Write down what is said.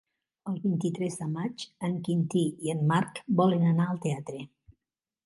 El vint-i-tres de maig en Quintí i en Marc volen anar al teatre.